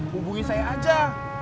hubungi saya aja